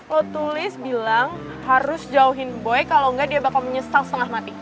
lo tulis bilang harus jauhin boy kalau nggak dia bakal menyesal setengah mati